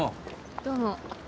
どうも。